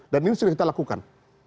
dan ini sudah kita lakukan